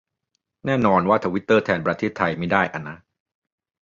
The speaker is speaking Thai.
แน่นอนว่าทวิตเตอร์แทนประเทศไทยไม่ได้อะนะ